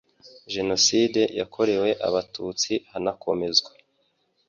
Jenoside yakorewe Abatutsi hanakomezwa